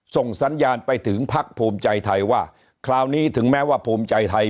ส่งสัญญาณไปถึงพักภูมิใจไทยว่าคราวนี้ถึงแม้ว่าภูมิใจไทย